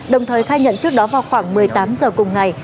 đồng thời khai nhận trước đó vào khoảng một mươi tám giờ cùng ngày